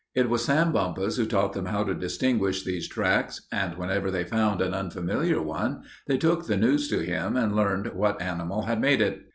It was Sam Bumpus who taught them how to distinguish these tracks, and whenever they found an unfamiliar one they took the news to him and learned what animal had made it.